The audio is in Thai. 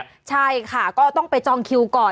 ใช่ค่ะก็ต้องไปจองคิวก่อน